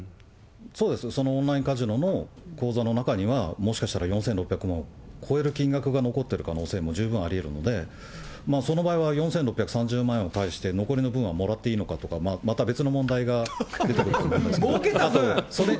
そうです、そのオンラインカジノの口座の中には、もしかしたら４６００万超える金額が残ってる可能性も十分ありうるので、その場合は４６３０万円を返して残りの分はもらっていいのかとか、また別の問題が出てくると思いますけど。